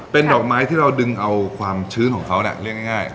เป็นดอกไม้ที่เราดึงเอาความชื้นของเขาเรียกง่าย